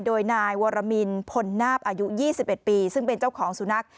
โดยนายวรมินพลนาบอายุ๒๑ปีซึ่งเป็นเจ้าของสุนัข